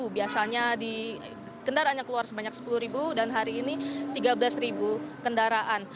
biasanya kendaraan yang keluar sebanyak sepuluh dan hari ini tiga belas kendaraan